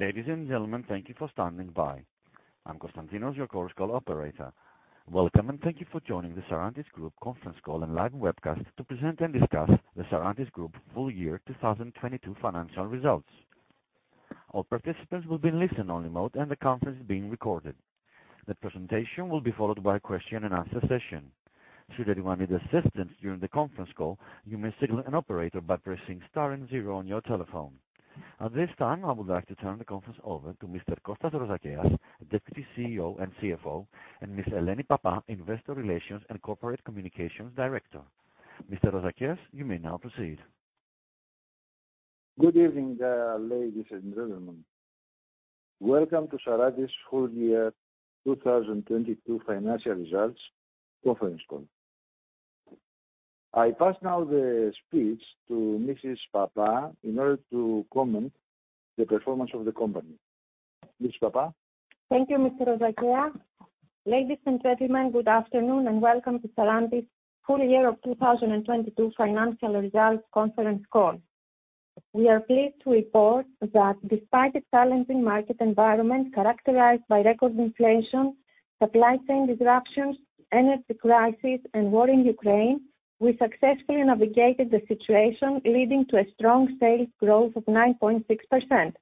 Ladies and gentlemen, thank you for standing by. I'm Constantinos, your Chorus Call operator. Welcome, and thank you for joining the Sarantis Group conference call and live webcast to present and discuss the Sarantis Group full year 2022 financial results. All participants will be in listen only mode, and the conference is being recorded. The presentation will be followed by a question and answer session. Should anyone need assistance during the conference call, you may signal an operator by pressing star and zero on your telephone. At this time, I would like to turn the conference over to Mr. Konstantinos Rozakeas, Deputy CEO and CFO, and Ms. Eleni Pappa, Investor Relations and Corporate Communications Director. Mr. Rozakeas, you may now proceed. Good evening, ladies and gentlemen. Welcome to Sarantis full year 2022 financial results conference call. I pass now the speech to Mrs. Pappa in order to comment the performance of the company. Ms. Pappa? Thank you, Mr. Rozakeas. Ladies and gentlemen, good afternoon, and welcome to Sarantis full year 2022 financial results conference call. We are pleased to report that despite a challenging market environment characterized by record inflation, supply chain disruptions, energy crisis, and war in Ukraine, we successfully navigated the situation, leading to a strong sales growth of 9.6%.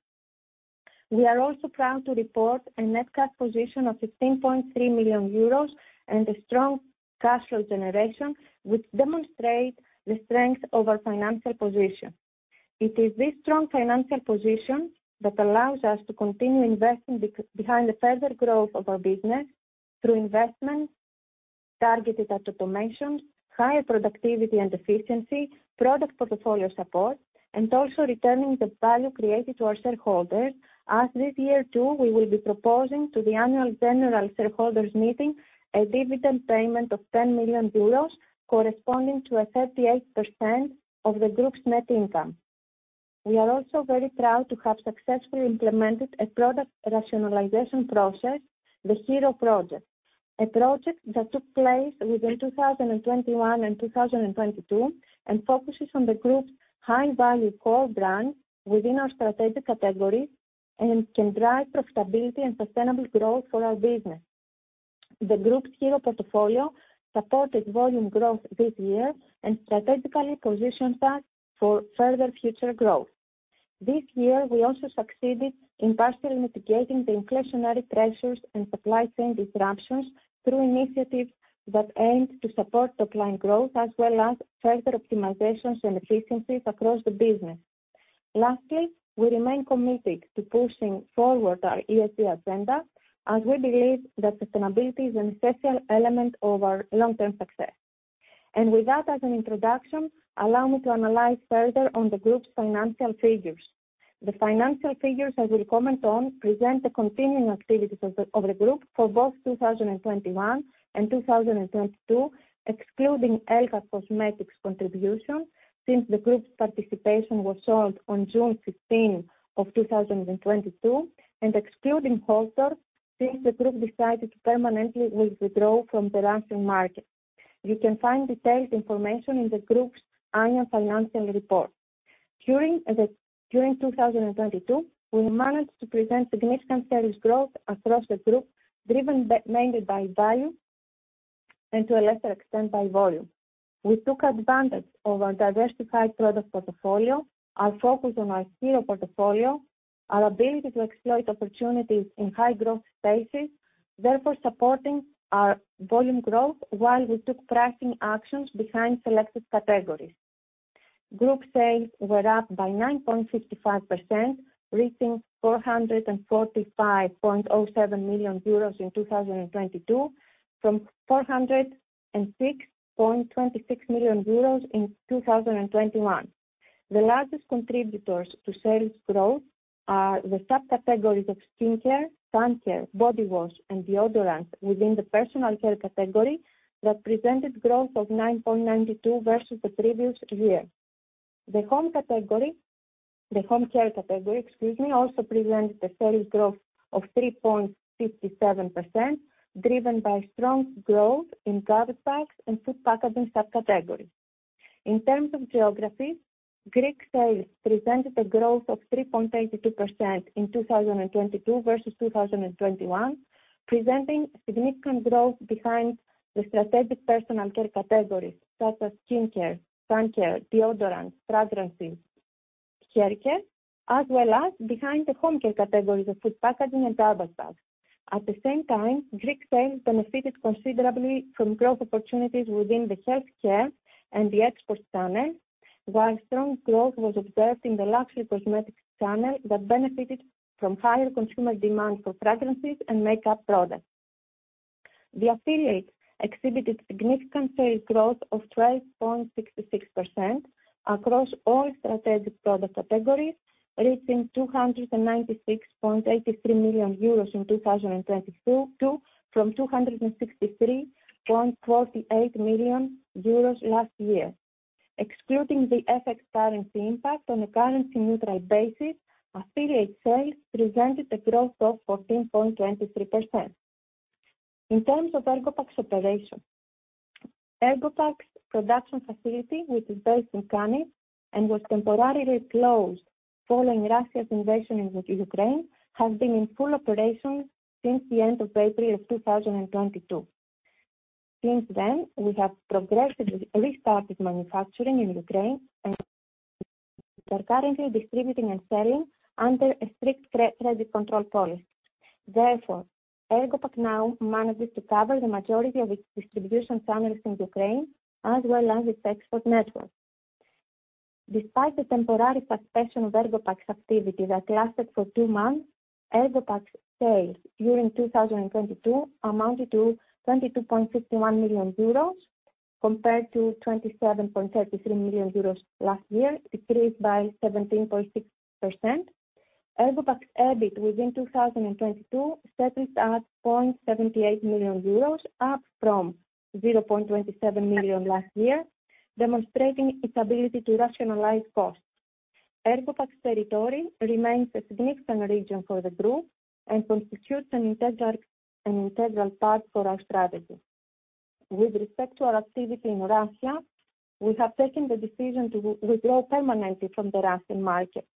We are also proud to report a net cash position of 15.3 million euros and a strong cash flow generation, which demonstrate the strength of our financial position. It is this strong financial position that allows us to continue investing behind the further growth of our business through investments targeted at automations, higher productivity and efficiency, product portfolio support, and also returning the value created to our shareholders. As this year too, we will be proposing to the annual general shareholders meeting a dividend payment of 10 million euros, corresponding to a 38% of the group's net income. We are also very proud to have successfully implemented a product rationalization process, the Hero project, a project that took place within 2021 and 2022 and focuses on the group's high-value core brands within our strategic categories and can drive profitability and sustainable growth for our business. The group's Hero portfolio supported volume growth this year and strategically positions us for further future growth. This year, we also succeeded in partially mitigating the inflationary pressures and supply chain disruptions through initiatives that aim to support top-line growth as well as further optimizations and efficiencies across the business. Lastly, we remain committed to pushing forward our ESG agenda, as we believe that sustainability is an essential element of our long-term success. With that as an introduction, allow me to analyze further on the group's financial figures. The financial figures I will comment on present the continuing activities of the group for both 2021 and 2022, excluding Elka Cosmetics contribution since the group's participation was sold on June 15 of 2022, and excluding HOZTORG LLC since the group decided to permanently withdraw from the Russian market. You can find detailed information in the group's annual financial report. During 2022, we managed to present significant sales growth across the group, driven mainly by value and to a lesser extent by volume. We took advantage of our diversified product portfolio, our focus on our HERO portfolio, our ability to exploit opportunities in high-growth spaces, therefore supporting our volume growth while we took pricing actions behind selected categories. Group sales were up by 9.55%, reaching 445.07 million euros in 2022 from 406.26 million euros in 2021. The largest contributors to sales growth are the subcategories of skincare, sun care, body wash, and deodorant within the personal care category that presented growth of 9.92% versus the previous year. The home category, the home care category, excuse me, also presented a sales growth of 3.57%, driven by strong growth in garbage bags and food packaging subcategories. In terms of geographies, Greek sales presented a growth of 3.82% in 2022 versus 2021, presenting significant growth behind the strategic personal care categories such as skincare, sun care, deodorants, fragrances, haircare, as well as behind the home care categories of food packaging and garbage bags. At the same time, Greek sales benefited considerably from growth opportunities within the healthcare and the export channel, while strong growth was observed in the luxury cosmetics channel that benefited from higher consumer demand for fragrances and makeup products. The affiliates exhibited significant sales growth of 12.66% across all strategic product categories, reaching 296.83 million euros in 2022 from 263.48 million euros last year. Excluding the FX currency impact on a currency-neutral basis, affiliate sales presented a growth of 14.23%. In terms of Ergopack's production facility, which is based in Khmelnytskyi and was temporarily closed following Russia's invasion into Ukraine, has been in full operation since the end of April 2022. Since then, we have progressively restarted manufacturing in Ukraine, we are currently distributing and selling under a strict credit control policy. Therefore, Ergopack now manages to cover the majority of its distribution channels in Ukraine as well as its export network. Despite the temporary suspension of Ergopack's activity that lasted for two months, Ergopack sales during 2022 amounted to 22.51 million euros compared to 27.33 million euros last year, decreased by 17.6%. Ergopack's EBIT within 2022 settled at 0.78 million euros, up from 0.27 million last year, demonstrating its ability to rationalize costs. Ergopack's territory remains a significant region for the group and constitutes an integral part for our strategy. With respect to our activity in Russia, we have taken the decision to withdraw permanently from the Russian market.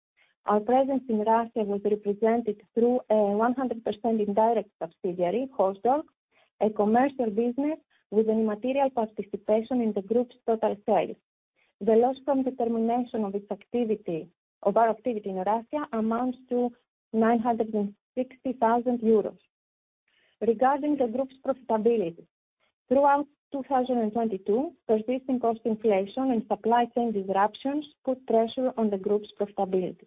Our presence in Russia was represented through a 100% indirect subsidiary, HOZTORG, a commercial business with a material participation in the group's total sales. The loss from the termination of our activity in Russia amounts to 960,000 euros. Regarding the group's profitability, throughout 2022, persisting cost inflation and supply chain disruptions put pressure on the group's profitability.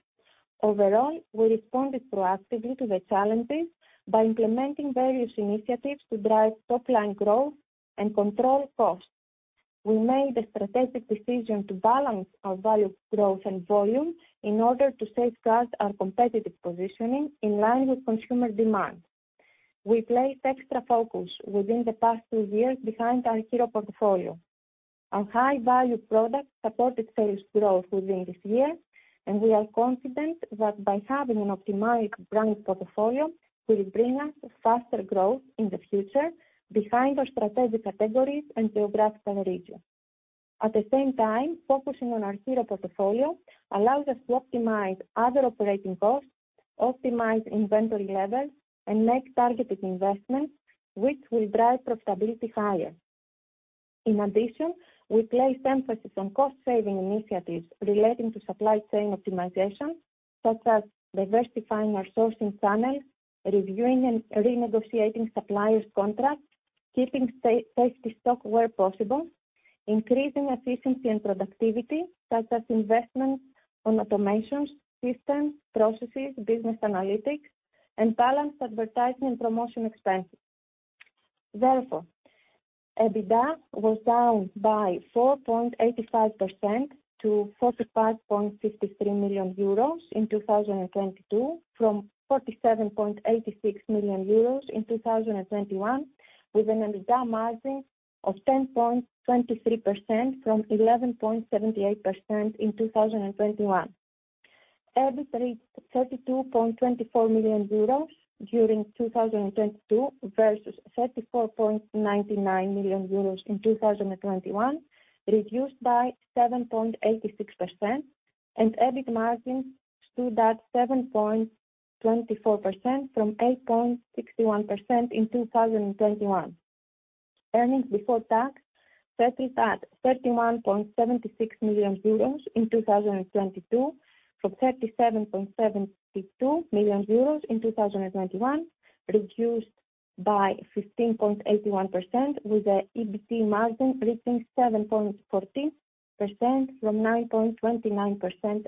Overall, we responded proactively to the challenges by implementing various initiatives to drive top-line growth and control costs. We made a strategic decision to balance our value growth and volume in order to safeguard our competitive positioning in line with consumer demand. We placed extra focus within the past two years behind our HERO portfolio. Our high-value products supported sales growth within this year, and we are confident that by having an optimized brand portfolio will bring us faster growth in the future behind our strategic categories and geographical regions. At the same time, focusing on our HERO portfolio allows us to optimize other operating costs, optimize inventory levels, and make targeted investments which will drive profitability higher. In addition, we placed emphasis on cost-saving initiatives relating to supply chain optimization, such as diversifying our sourcing channels, reviewing and renegotiating suppliers' contracts, keeping safety stock where possible, increasing efficiency and productivity, such as investments on automations, systems, processes, business analytics, and balanced advertising and promotion expenses. Therefore, EBITDA was down by 4.85% to 45.53 million euros in 2022, from 47.86 million euros in 2021, with an EBITDA margin of 10.23% from 11.78% in 2021. EBIT reached 32.24 million euros during 2022 versus 34.99 million euros in 2021, reduced by 7.86%, and EBIT margins stood at 7.24% from 8.61% in 2021. Earnings before tax settled at 31.76 million euros in 2022 from 37.72 million euros in 2021, reduced by 15.81% with the EBIT margin reaching 7.14% from 9.29%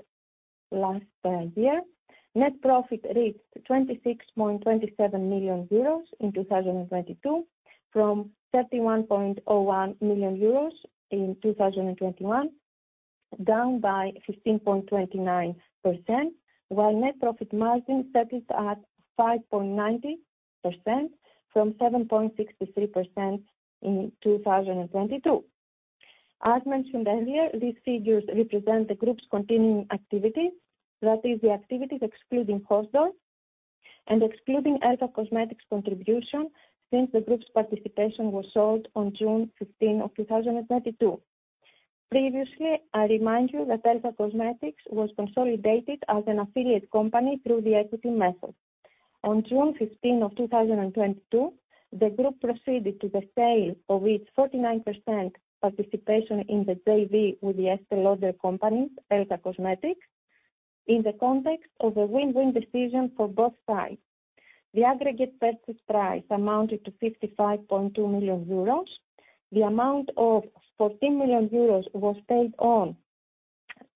last year. Net profit reached 26.27 million euros in 2022 from 31.01 million euros in 2021, down by 15.29%, while net profit margin settled at 5.90% from 7.63% in 2022. As mentioned earlier, these figures represent the group's continuing activities, that is, the activities excluding HOZTORG and excluding Elfa Cosmetics' contribution since the group's participation was sold on June 15 of 2022. Previously, I remind you that Elfa Cosmetics was consolidated as an affiliate company through the equity method. On June 15 of 2022, the group proceeded to the sale of its 49% participation in the JV with the Estée Lauder company, Elfa Cosmetics, in the context of a win-win decision for both sides. The aggregate purchase price amounted to 55.2 million euros. The amount of 14 million euros was paid on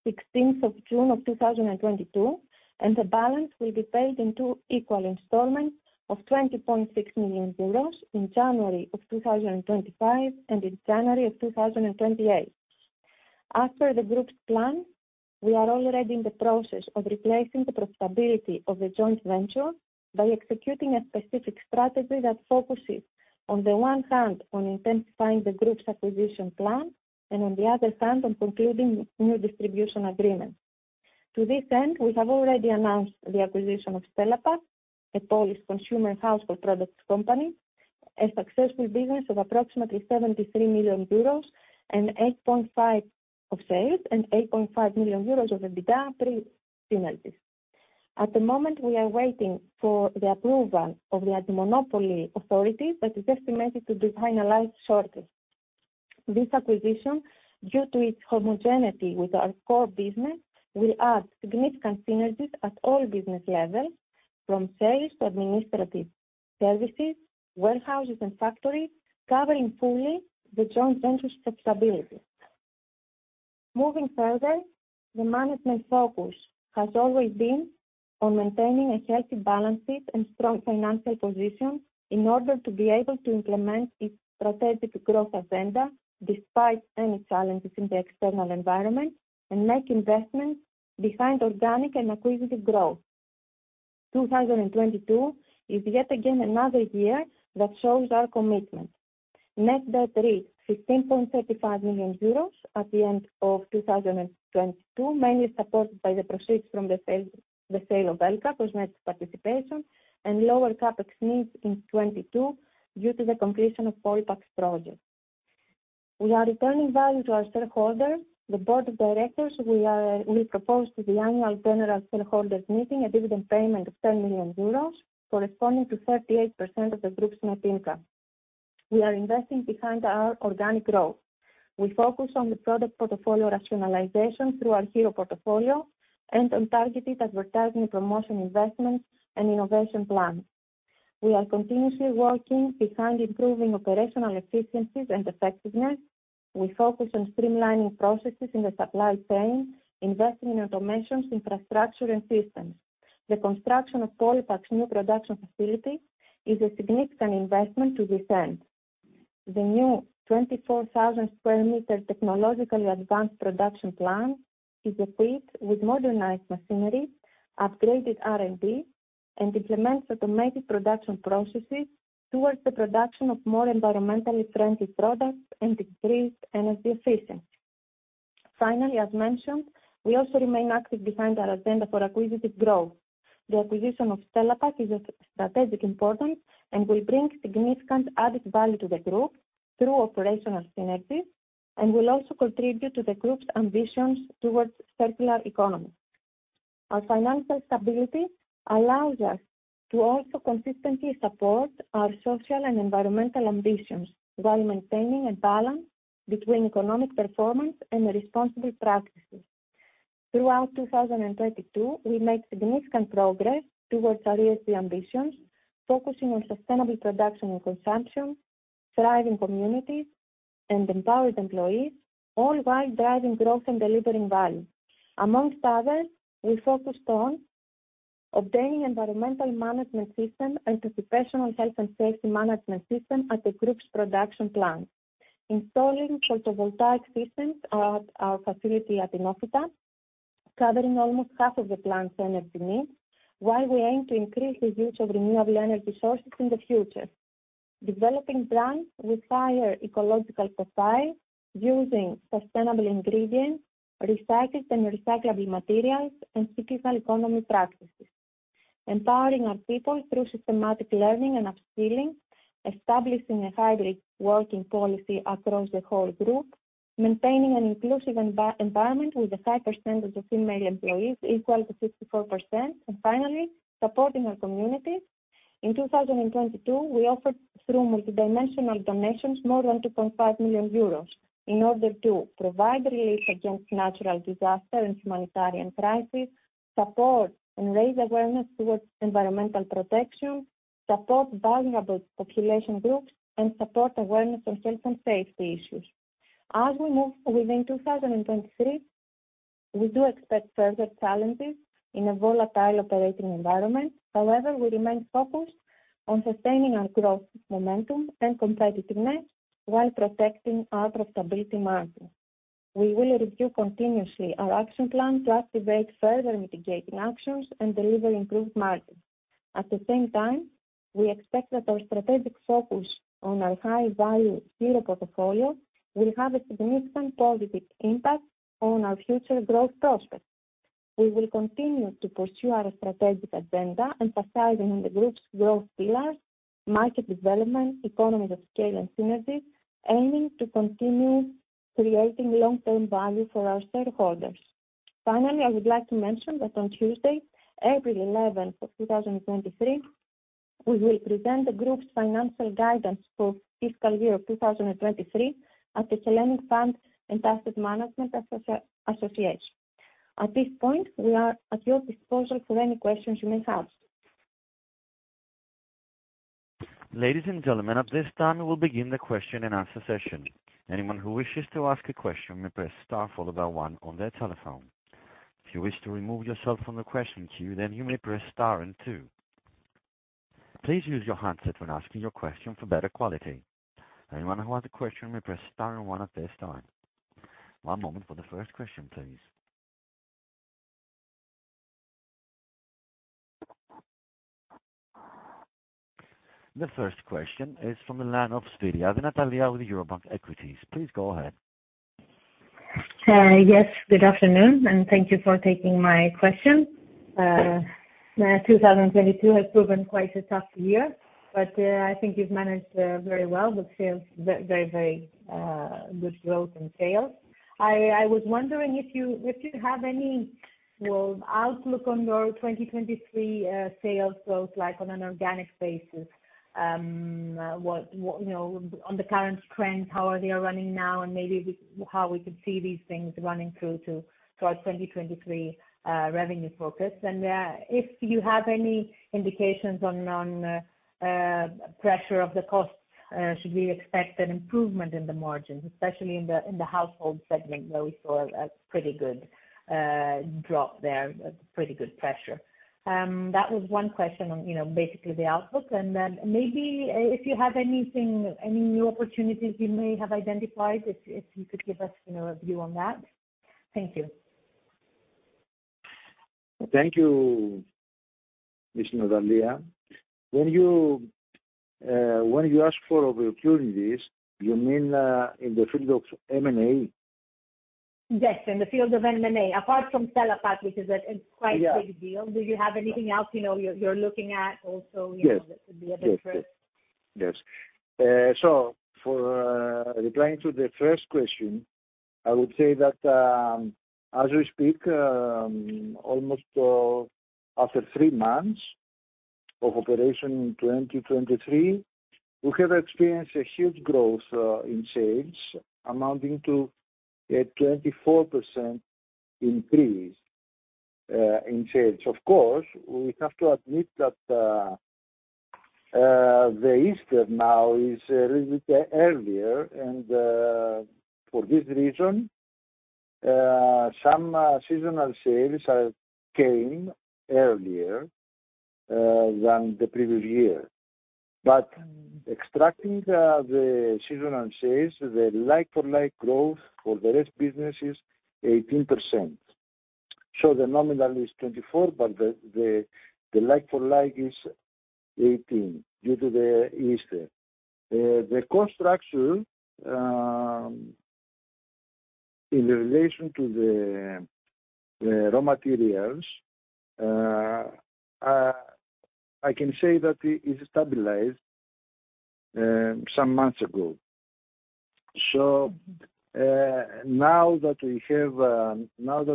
16th of June of 2022, and the balance will be paid in two equal installments of 20.6 million euros in January of 2025 and in January of 2028. As per the group's plan, we are already in the process of replacing the profitability of the joint venture by executing a specific strategy that focuses, on the one hand, on intensifying the group's acquisition plan and, on the other hand, on concluding new distribution agreements. To this end, we have already announced the acquisition of Stella Pack, a Polish consumer household products company, a successful business of approximately 73 million euros and 8.5% of sales and 8.5 million euros of EBITDA pre penalties. At the moment, we are waiting for the approval of the anti-monopoly authority that is estimated to be finalized shortly. This acquisition, due to its homogeneity with our core business, will add significant synergies at all business levels, from sales to administrative services, warehouses and factories, covering fully the joint venture sustainability. Moving further, the management focus has always been on maintaining a healthy, balanced and strong financial position in order to be able to implement its strategic growth agenda despite any challenges in the external environment, and make investments behind organic and acquisitive growth. 2022 is yet again another year that shows our commitment. Net debt reached 15.35 million euros at the end of 2022, mainly supported by the proceeds from the sale, the sale of Elka Cosmetics' participation and lower CapEx needs in 2022 due to the completion of Polipak's project. We are returning value to our shareholders. The board of directors we propose to the annual general shareholders meeting a dividend payment of 10 million euros, corresponding to 38% of the group's net income. We are investing behind our organic growth. We focus on the product portfolio rationalization through our HERO portfolio and on targeted advertising promotion investments and innovation plans. We are continuously working behind improving operational efficiencies and effectiveness. We focus on streamlining processes in the supply chain, investing in automations, infrastructure and systems. The construction of Polipak's new production facility is a significant investment to this end. The new 24,000 square meter technologically advanced production plant is equipped with modernized machinery, upgraded R&D, and implements automated production processes towards the production of more environmentally friendly products and decreased energy efficiency. Finally, as mentioned, we also remain active behind our agenda for acquisitive growth. The acquisition of Stelapak is of strategic importance and will bring significant added value to the group through operational synergies, and will also contribute to the group's ambitions towards circular economy. Our financial stability allows us to also consistently support our social and environmental ambitions while maintaining a balance between economic performance and responsible practices. Throughout 2022, we made significant progress towards our ESG ambitions, focusing on sustainable production and consumption, thriving communities and empowered employees, all while driving growth and delivering value. Among others, we focused on obtaining environmental management system and occupational health and safety management system at the group's production plant. Installing photovoltaic systems at our facility at Inofita, covering almost half of the plant's energy needs, while we aim to increase the use of renewable energy sources in the future. Developing brands with higher ecological profile using sustainable ingredients, recycled and recyclable materials, and circular economy practices. Empowering our people through systematic learning and upskilling. Establishing a hybrid working policy across the whole group. Maintaining an inclusive environment with a high percentage of female employees equal to 54%. Finally, supporting our communities. In 2022, we offered through multidimensional donations more than 2.5 million euros in order to provide relief against natural disaster and humanitarian crisis, support and raise awareness towards environmental protection, support vulnerable population groups, and support awareness on health and safety issues. We move within 2023, we do expect further challenges in a volatile operating environment. We remain focused on sustaining our growth, momentum and competitiveness while protecting our profitability margin. We will review continuously our action plan to activate further mitigating actions and deliver improved margins. The same time, we expect that our strategic focus on our high value HERO portfolio will have a significant positive impact on our future growth prospects. We will continue to pursue our strategic agenda, emphasizing on the group's growth pillars, market development, economies of scale and synergies, aiming to continue creating long-term value for our shareholders. Finally, I would like to mention that on Tuesday, April 11th of 2023, we will present the group's financial guidance for fiscal year 2023 at the Hellenic Fund and Asset Management Association. At this point, we are at your disposal for any questions you may have. Ladies and gentlemen, at this time we will begin the question and answer session. Anyone who wishes to ask a question may press star followed by 1 on their telephone. If you wish to remove yourself from the question queue, you may press star and 2. Please use your handset when asking your question for better quality. Anyone who has a question may press star and 1 at this time. 1 moment for the first question, please. The first question is from the line of Natalia Smpirnia with Eurobank Equities. Please go ahead. Yes. Good afternoon, thank you for taking my question. 2022 has proven quite a tough year, I think you've managed very well with sales, very good growth and sales. I was wondering if you have any, well, outlook on your 2023 sales growth, like on an organic basis. You know, on the current trends, how are they running now? Maybe how we could see these things running through to towards 2023 revenue focus. If you have any indications on pressure of the costs. Should we expect an improvement in the margins, especially in the household segment where we saw a pretty good drop there, a pretty good pressure. That was one question on, you know, basically the outlook. Maybe if you have anything, any new opportunities you may have identified, if you could give us, you know, a view on that. Thank you. Thank you, Ms. Natalia. When you, when you ask for opportunities, you mean, in the field of M&A? Yes, in the field of M&A. Apart from Stella Pack, which is a quite big deal. Do you have anything else, you know, you're looking at also, you know, that could be of interest? Replying to the first question, I would say that, as we speak, after 3 months of operation in 2023, we have experienced a huge growth in sales amounting to a 24% increase in sales. Of course, we have to admit that Easter now is a little bit earlier and, for this reason, some seasonal sales are came earlier than the previous year. Extracting the seasonal sales, the like for like growth for the rest business is 18%. The nominal is 24, but the like for like is 18 due to Easter. The cost structure in relation to the raw materials, I can say that it is stabilized some months ago. Now that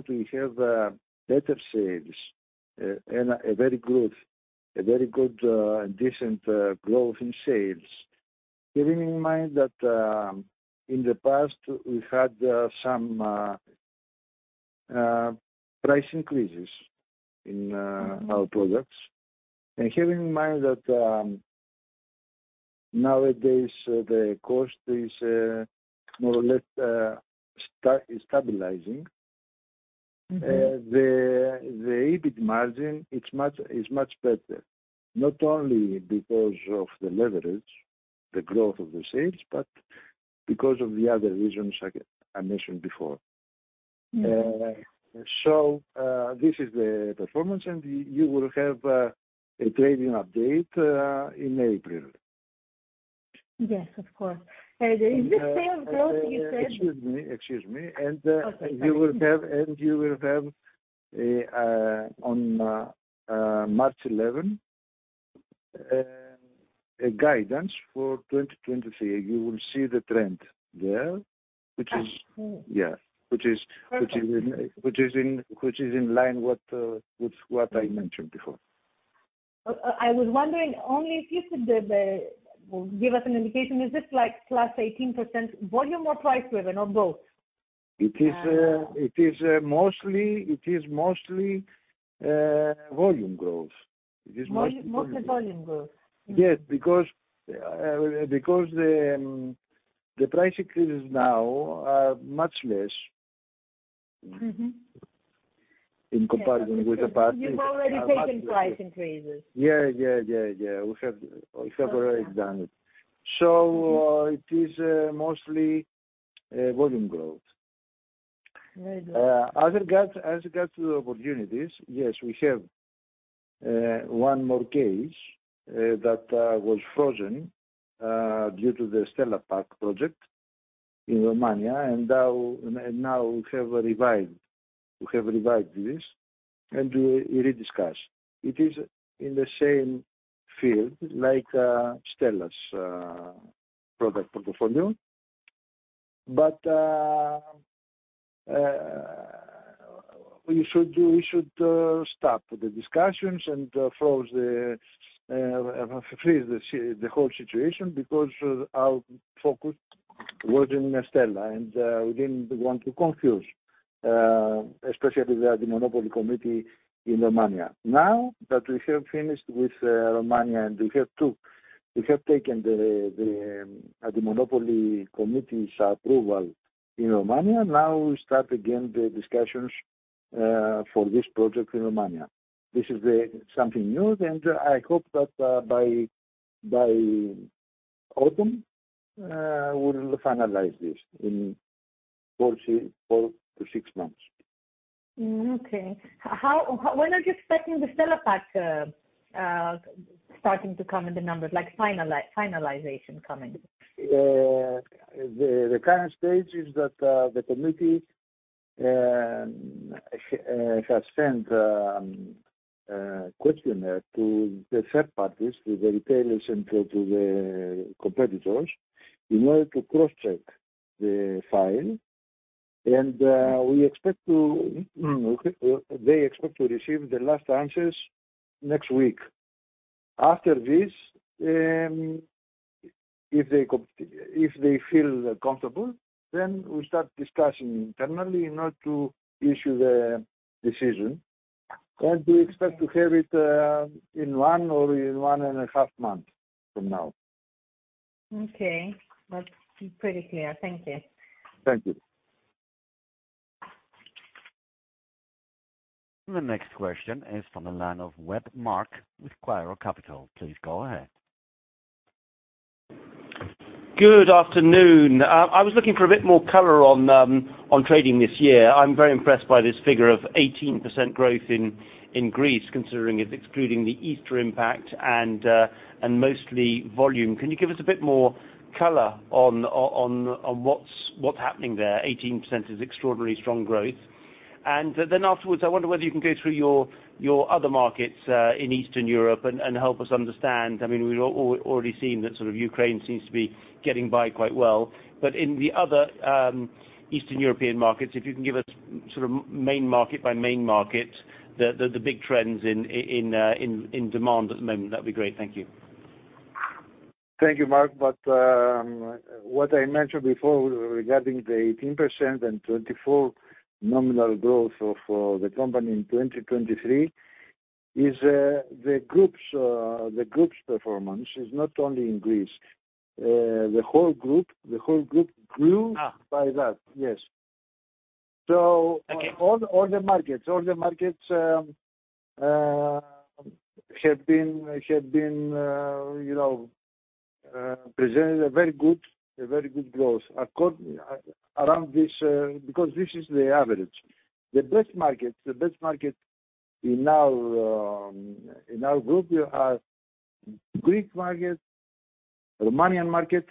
we have better sales and a very good, decent growth in sales, keeping in mind that in the past we've had some price increases in our products, and having in mind that nowadays the cost is more or less stabilizing. Mm-hmm... the EBIT margin is much better. Not only because of the leverage, the growth of the sales, but because of the other reasons I mentioned before. Mm-hmm. This is the performance and you will have a trading update in April. Yes, of course. Is this sales growth you said? Excuse me. Okay. You will have a on March 11 a guidance for 2023. You will see the trend there, which is. I see. Yeah. Perfect. Which is in line what, with what I mentioned before. I was wondering only if you could give us an indication, is this like plus 18% volume or price driven or both? It is mostly volume growth. It is mostly volume growth. Mostly volume growth? Yes, because the price increases now are much less... Mm-hmm... in comparison with the past. You've already taken price increases. Yeah. Yeah. Yeah. Yeah. We have already done it. It is mostly volume growth. Very good. As regard to the opportunities, yes, we have one more case that was frozen due to the Stella Pack project in Romania and now we have revived this and re-discuss. It is in the same field like Stella's product portfolio. We should stop the discussions and freeze the whole situation because our focus was in Stella, and we didn't want to confuse especially the antimonopoly committee in Romania. Now that we have finished with Romania and we have taken the antimonopoly committee's approval in Romania, now we start again the discussions for this project in Romania. This is something new, I hope that by autumn, we'll finalize this in four to six months. Okay. When are you expecting the Stella Pack starting to come in the numbers, like finalization coming? The current stage is that the committee has sent questionnaire to the third parties, to the retailers and to the competitors in order to crosscheck the file. They expect to receive the last answers next week. After this, if they feel comfortable, we start discussing internally in order to issue the decision. We expect to have it in 1 or in one and a half month from now. Okay. That's pretty clear. Thank you. Thank you. The next question is from the line of Vebjon Kroufi with Cairo Capital. Please go ahead. Good afternoon. I was looking for a bit more color on trading this year. I'm very impressed by this figure of 18% growth in Greece, considering it's excluding the Easter impact and mostly volume. Can you give us a bit more color on what's happening there? 18% is extraordinarily strong growth. Afterwards, I wonder whether you can go through your other markets in Eastern Europe and help us understand. I mean, we've already seen that sort of Ukraine seems to be getting by quite well. In the other Eastern European markets, if you can give us sort of main market by main market, the big trends in demand at the moment. That'd be great. Thank you. Thank you, Mark. What I mentioned before regarding the 18% and 24% nominal growth of the company in 2023 is the group's performance is not only in Greece. The whole group grew- Ah. by that. Yes. Okay. All the markets have been, you know, presented a very good growth around this because this is the average. The best markets in our group are Greek market, Romanian market,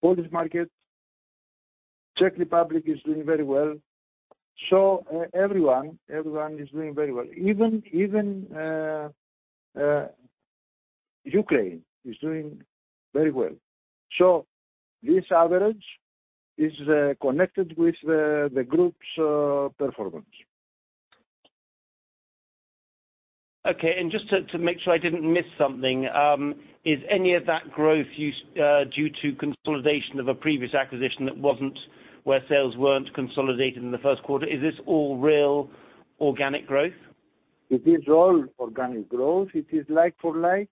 Polish market. Czech Republic is doing very well. Everyone is doing very well. Even Ukraine is doing very well. This average is connected with the group's performance. Okay. Just to make sure I didn't miss something, is any of that growth due to consolidation of a previous acquisition that wasn't, where sales weren't consolidated in the first quarter? Is this all real organic growth? It is all organic growth. It is like for like,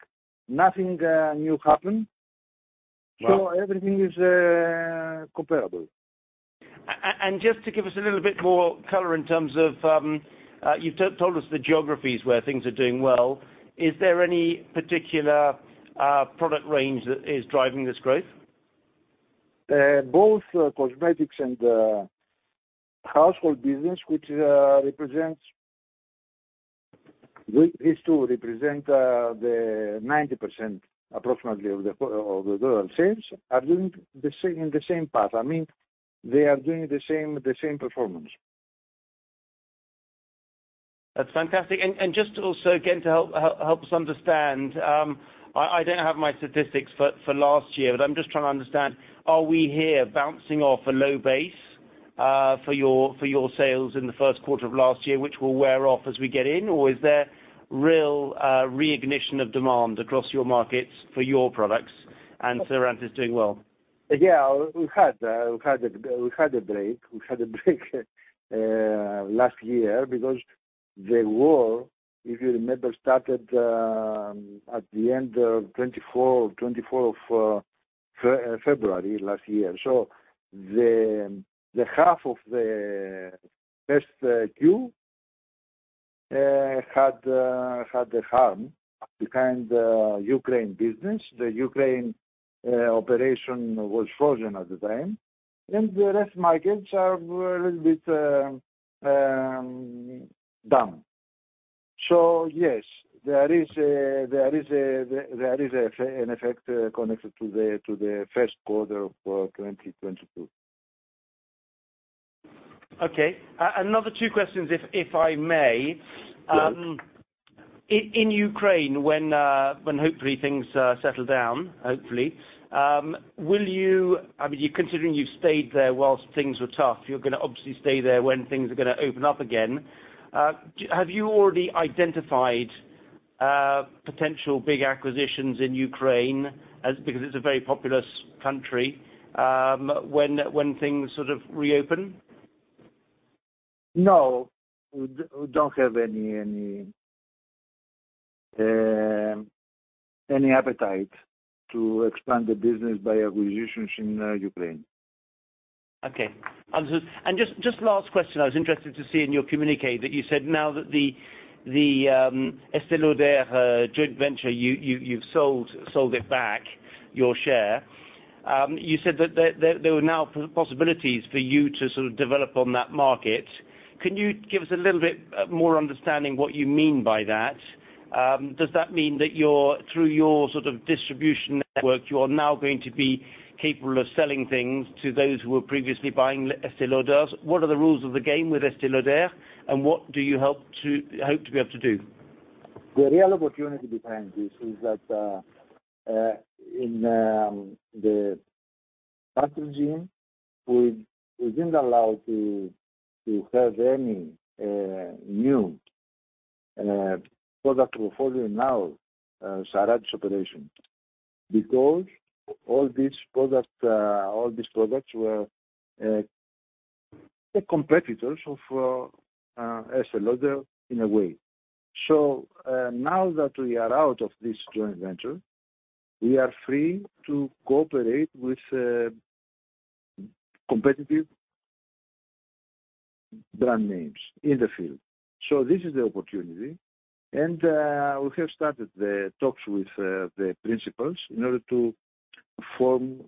nothing new happened. Wow. Everything is comparable. Just to give us a little bit more color in terms of, you've told us the geographies where things are doing well. Is there any particular product range that is driving this growth? Both cosmetics and household business. These two represent the 90% approximately of the total sales, are doing the same, in the same path. I mean, they are doing the same performance. That's fantastic. Just also again to help us understand, I don't have my statistics for last year, but I'm just trying to understand, are we here bouncing off a low base for your sales in the first quarter of last year, which will wear off as we get in? Or is there real reignition of demand across your markets for your products and Sarantis is doing well? We had a break last year because the war, if you remember, started at the end of 24 of February last year. The half of the first Q had a harm behind the Ukraine business. The Ukraine operation was frozen at the time, the rest markets are a little bit down. Yes, there is an effect connected to the first quarter of 2022. Okay. Another two questions if I may. Yes. In Ukraine when hopefully things, settle down, hopefully, I mean, considering you've stayed there whilst things were tough, you're gonna obviously stay there when things are gonna open up again. Have you already identified, potential big acquisitions in Ukraine as, because it's a very populous country, when things sort of reopen? No. We don't have any, any appetite to expand the business by acquisitions in Ukraine. Okay. Just last question. I was interested to see in your communicate that you said now that the Estée Lauder joint venture, you've sold it back, your share. You said that there were now possibilities for you to sort of develop on that market. Can you give us a little bit more understanding what you mean by that? Does that mean that your through your sort of distribution network, you are now going to be capable of selling things to those who were previously buying Estée Lauders? What are the rules of the game with Estée Lauder, and what do you hope to be able to do? The real opportunity behind this is that in the past regime, we didn't allow to have any new product portfolio now, Sarantis operation. All these products were the competitors of Estée Lauder in a way. Now that we are out of this joint venture, we are free to cooperate with competitive brand names in the field. This is the opportunity. We have started the talks with the principals in order to form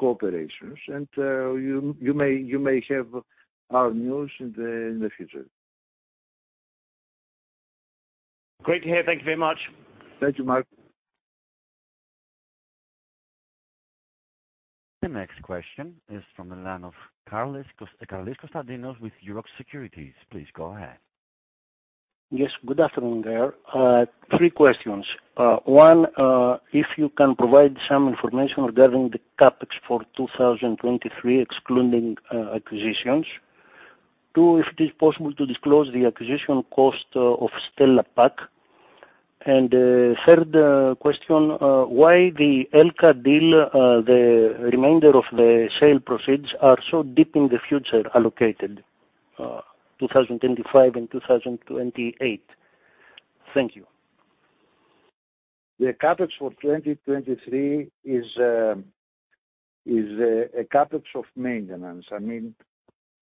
cooperations. You may have our news in the future. Great to hear. Thank you very much. Thank you, Mark. The next question is from the line of Carlis Costadinos with Euroxx Securities. Please go ahead. Yes. Good afternoon there. Three questions. One, if you can provide some information regarding the CapEx for 2023, excluding acquisitions. Two, if it is possible to disclose the acquisition cost of Stella Pack. Third, question, why the Elka deal, the remainder of the sale proceeds are so deep in the future allocated, 2025 and 2028? Thank you. The CapEx for 2023 is a CapEx of maintenance. I mean,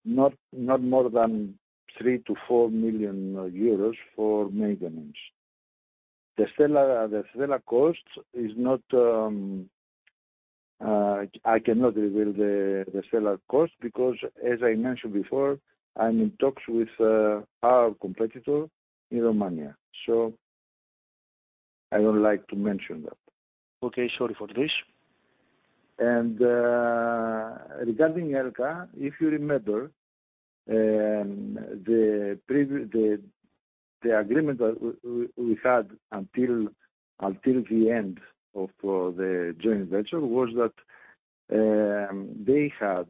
not more than 3 million-4 million euros for maintenance. The Stella cost is not, I cannot reveal the Stella cost because, as I mentioned before, I'm in talks with our competitor in Romania, I don't like to mention that. Okay. Sorry for this. Regarding Elka, if you remember, the agreement that we had until the end of the joint venture was that they had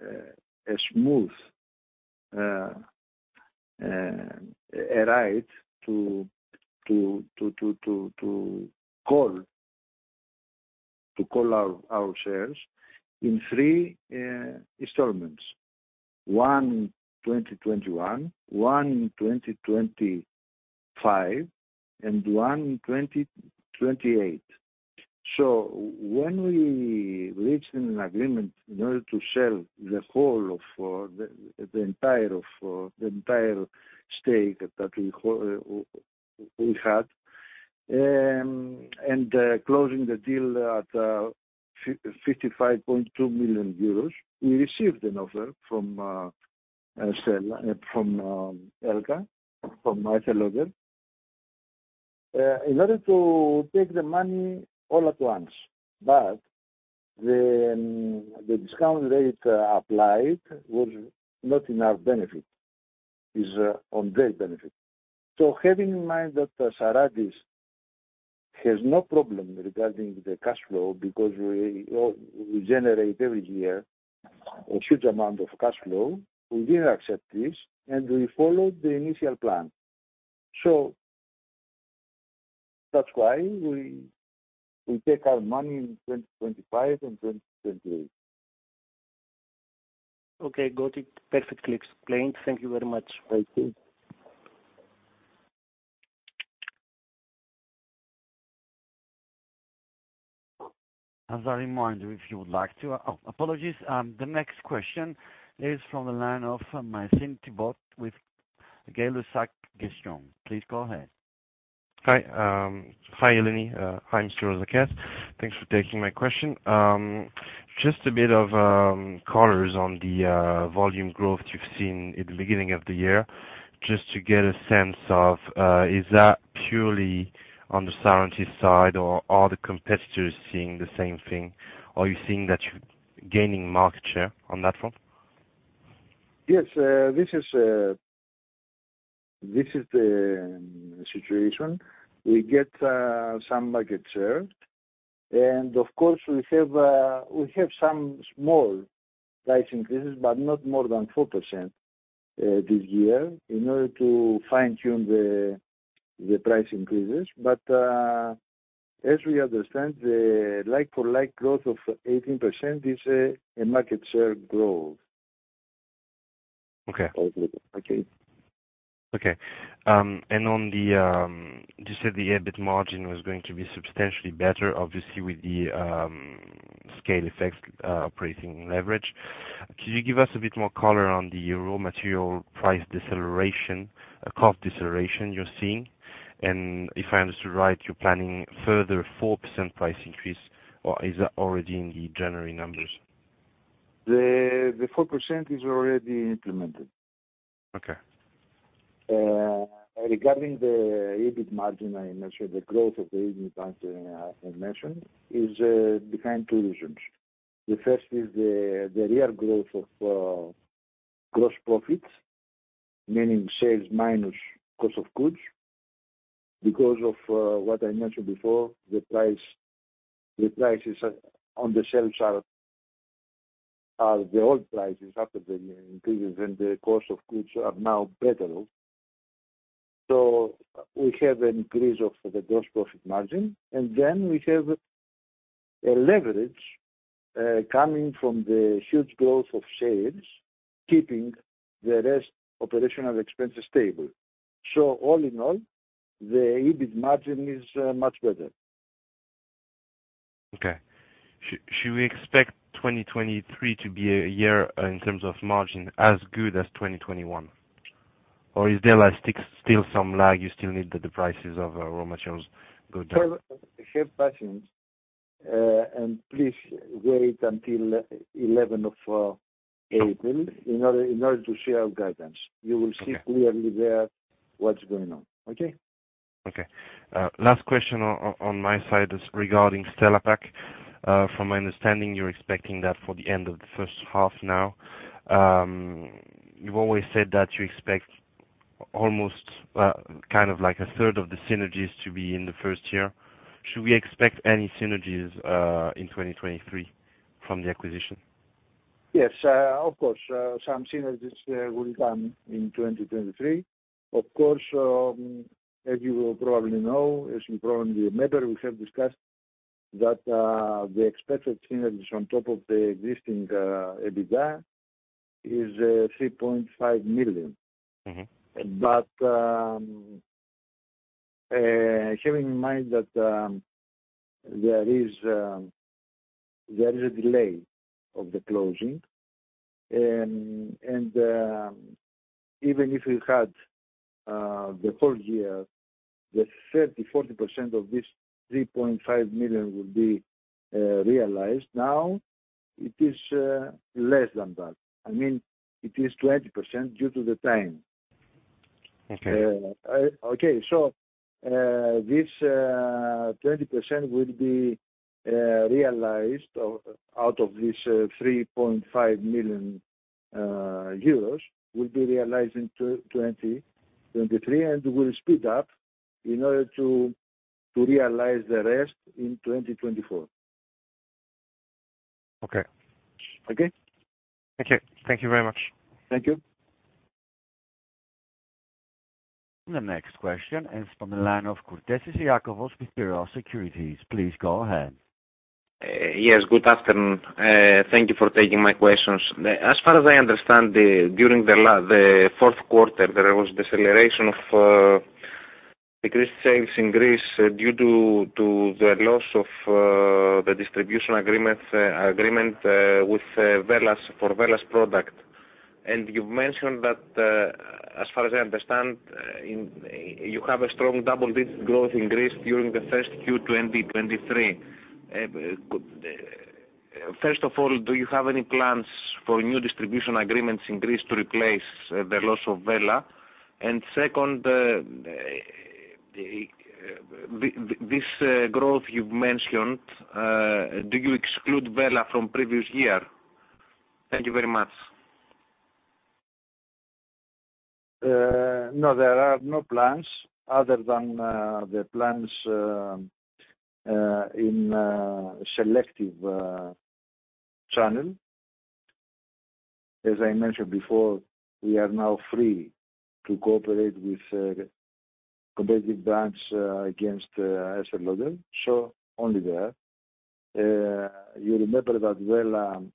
a smooth right to call our shares in three installments. One in 2021, one in 2025, and one in 2028. When we reached an agreement in order to sell the whole of the entire stake that we had, closing the deal at 55.2 million euros, we received an offer from Elka, from Estée Lauder, in order to take the money all at once. The discount rate applied was not in our benefit. On their benefit. Having in mind that Sarantis has no problem regarding the cash flow because we generate every year a huge amount of cash flow, we didn't accept this, and we followed the initial plan. That's why we take our money in 2025 and 2028. Okay. Got it. Perfectly explained. Thank you very much. Thank you. As a reminder, if you would like to... Oh, apologies. The next question is from the line of Martin Tebeau with Galliance Gestion. Please go ahead. Hi. Hi, Eleni. Hi, Mr. Rozakis. Thanks for taking my question. Just a bit of colors on the volume growth you've seen at the beginning of the year, just to get a sense of, is that purely on the Sarantis side or are the competitors seeing the same thing? Are you seeing that you're gaining market share on that front? Yes. This is the situation. We get some market share. Of course, we have some small price increases, but not more than 4% this year in order to fine-tune the price increases. As we understand, the like-for-like growth of 18% is a market share growth. Okay. Okay. Okay. On the, you said the EBIT margin was going to be substantially better, obviously with the scale effects, operating leverage. Could you give us a bit more color on the raw material price deceleration, cost deceleration you're seeing? If I understood right, you're planning further 4% price increase, or is that already in the January numbers? The 4% is already implemented. Okay. Regarding the EBIT margin, I mentioned the growth of the EBIT margin is behind two reasons. The first is the real growth of gross profits, meaning sales minus cost of goods. Because of what I mentioned before, the prices on the sales are the old prices after the increase in the cost of goods are now better off. We have an increase of the gross profit margin, and then we have a leverage coming from the huge growth of sales, keeping the rest operational expenses stable. All in all, the EBIT margin is much better. Okay. Should we expect 2023 to be a year in terms of margin as good as 2021? Is there like still some lag you still need that the prices of raw materials go down? Have patience, and please wait until 11 of April in order to share our guidance. You will see clearly there what's going on. Okay? Okay. Last question on my side is regarding Stella Pack. From my understanding, you're expecting that for the end of the first half now. You've always said that you expect almost, kind of like a third of the synergies to be in the first year. Should we expect any synergies in 2023 from the acquisition? Yes, of course, some synergies will come in 2023. Of course, as you will probably know, as you probably remember, we have discussed that, the expected synergies on top of the existing EBITDA is EUR 3.5 million. Mm-hmm. Having in mind that there is a delay of the closing. Even if we had the whole year, the 30%-40% of this 3.5 million would be realized now, it is less than that. I mean, it is 20% due to the time. Okay. uh, 20% will be, uh, realized out of this, uh, 3.5 million, uh, euros will be realized in 2023, and we'll speed up in order to realize the rest in 2024 Okay. Okay? Thank you. Thank you very much. Thank you. The next question is from the line of Iakovos Kourtesis with Euroxx Securities. Please go ahead. Yes, good afternoon. Thank you for taking my questions. As far as I understand, during the fourth quarter, there was deceleration of decreased sales in Greece due to the loss of the distribution agreement with Wella for Wella product. You've mentioned that, as far as I understand, you have a strong double-digit growth in Greece during the first Q, 2023. First of all, do you have any plans for new distribution agreements in Greece to replace the loss of Wella? Second, this growth you've mentioned, do you exclude Wella from previous year? Thank you very much. No, there are no plans other than the plans in a selective channel. As I mentioned before, we are now free to cooperate with competitive banks against Estée Lauder, only there. You remember that Wella had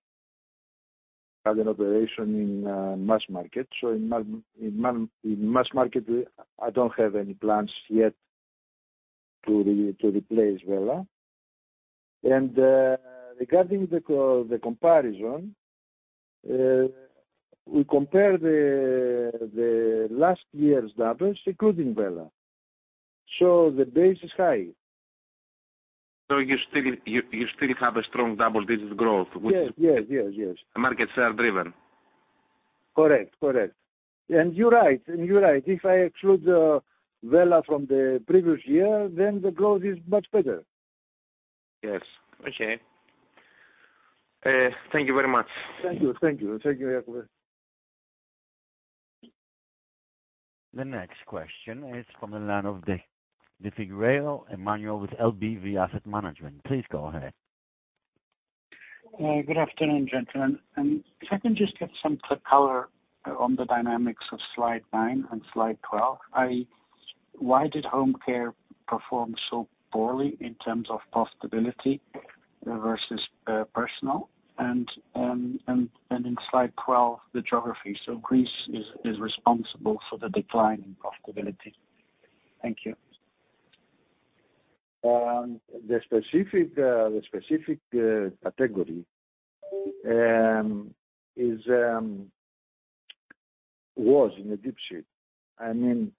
an operation in mass market. In mass market, I don't have any plans yet to replace Wella. Regarding the comparison, we compare the last year's numbers including Wella, the base is high. You still have a strong double-digit growth. Yes. Yes. Yes. Yes. The markets are driven. Correct. Correct. You're right. If I exclude Wella from the previous year, then the growth is much better. Yes. Okay. Thank you very much. Thank you. Thank you. Thank you, Iakovos. The next question is from the line of de Figueiredo Emmanuel with LBV Asset Management. Please go ahead. Good afternoon, gentlemen. If I can just get some clear color on the dynamics of slide 9 and slide 12? Why did home care perform so poorly in terms of profitability versus personal and in slide 12, the geography? Greece is responsible for the decline in profitability. Thank you. The specific, the specific category is was in a deep shit. I mean,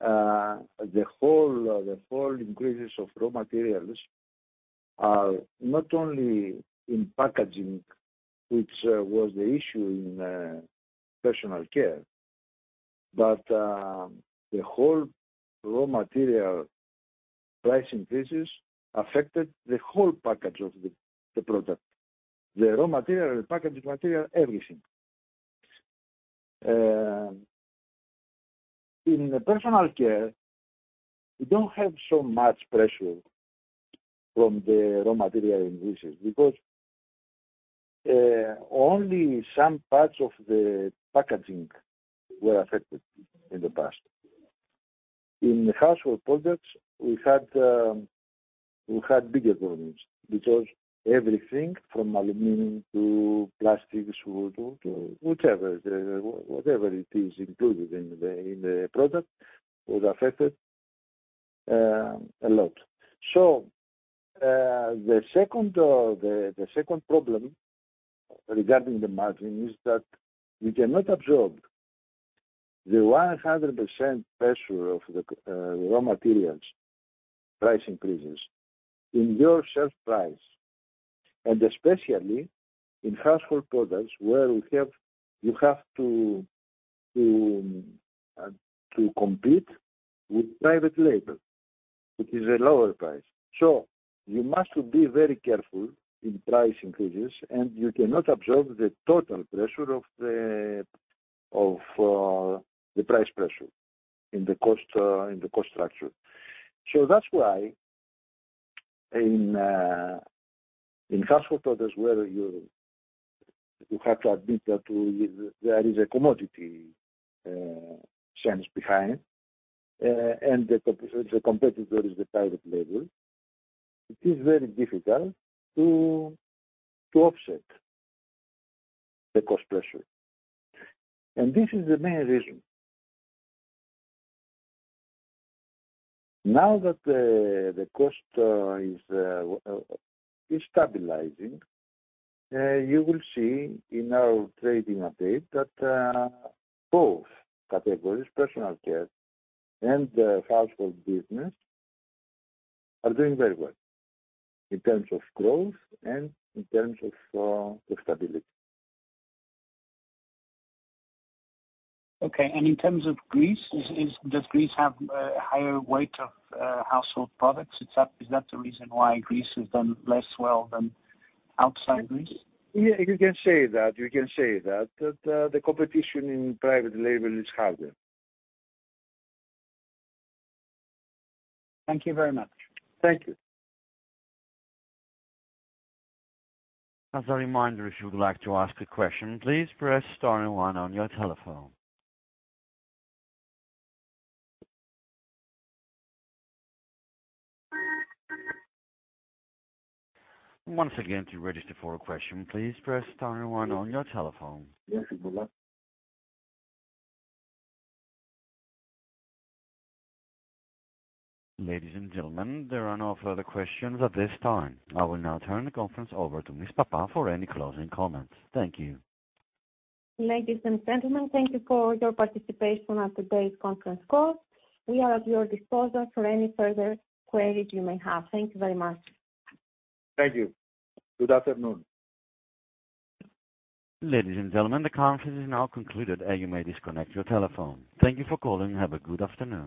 the whole increases of raw materials are not only in packaging, which was the issue in personal care, but the whole raw material price increases affected the whole package of the product. The raw material, the packaging material, everything. In personal care, we don't have so much pressure from the raw material increases because only some parts of the packaging were affected in the past. In the household products, we had, we had bigger problems because everything from aluminum to plastics, wood, whichever, the, whatever it is included in the product was affected a lot. The second problem regarding the margin is that we cannot absorb the 100% pressure of the raw materials price increases in your sales price. Especially in household products where you have to compete with private label, which is a lower price. You must be very careful in price increases, and you cannot absorb the total pressure of the price pressure in the cost in the cost structure. That's why in household products where you have to admit that there is a commodity sense behind, and the competitor is the private label. It is very difficult to offset the cost pressure. This is the main reason. Now that the cost is stabilizing, you will see in our trading update that both categories, personal care and the household business are doing very well in terms of growth and in terms of the stability. Okay. In terms of Greece, Does Greece have a higher weight of household products? Is that the reason why Greece has done less well than outside Greece? Yeah, you can say that. You can say that, the competition in private label is harder. Thank you very much. Thank you. As a reminder, if you would like to ask a question, please press star and one on your telephone. Once again, to register for a question, please press star and one on your telephone. Yes, Ladies and gentlemen, there are no further questions at this time. I will now turn the conference over to Ms. Pappa for any closing comments. Thank you. Ladies and gentlemen, thank you for your participation on today's conference call. We are at your disposal for any further queries you may have. Thank you very much. Thank you. Good afternoon. Ladies and gentlemen, the conference is now concluded, and you may disconnect your telephone. Thank you for calling. Have a good afternoon.